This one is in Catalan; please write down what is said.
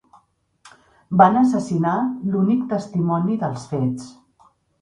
Van assassinar l'únic testimoni dels fets.